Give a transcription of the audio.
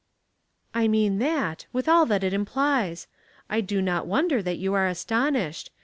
"" I moan that, with all that it implies. I do not wonder that you are astonished.